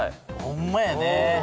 ほんまやね。